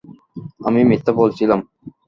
আমি মিথ্যা বলছিলাম?